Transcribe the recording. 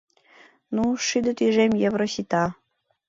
Ну, шӱдӧ тӱжем евро сита.